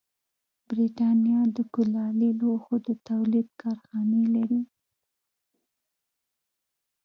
برېټانیا د کولالي لوښو د تولید کارخانې لرلې.